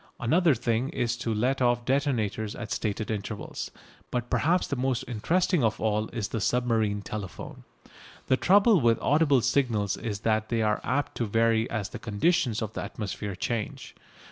Another thing is to let off detonators at stated intervals. But perhaps the most interesting of all is the submarine telephone. The trouble with audible signals is that they are apt to vary as the conditions of the atmosphere change.